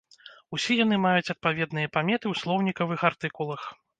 Усе яны маюць адпаведныя паметы ў слоўнікавых артыкулах.